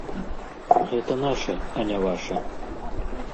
Гэта наша, а не ваша.